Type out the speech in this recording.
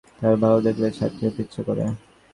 ভাল শিক্ষক দেখলেই ছাত্রী হতে ইচ্ছা করে।